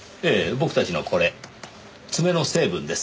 僕たちのこれ爪の成分です。